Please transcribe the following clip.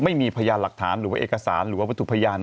ไม่มีพยานหลักฐานหรือว่าเอกสารหรือว่าวัตถุพยาน